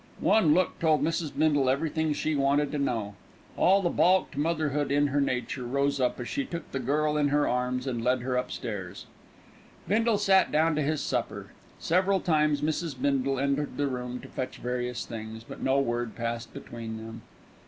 One look told Mrs. Bindle everything she wanted to know. All the baulked motherhood in her nature rose up as she took the girl in her arms, and led her upstairs. Bindle sat down to his supper. Several times Mrs. Bindle entered the room to fetch various things, but no word passed between them.